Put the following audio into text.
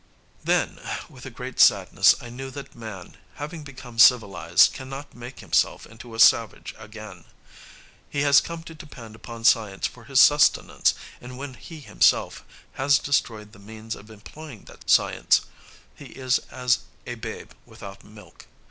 Then, with a great sadness, I knew that man, having become civilized, cannot make himself into a savage again. He has come to depend upon science for his sustenance, and when he himself has destroyed the means of employing that science, he is as a babe without milk.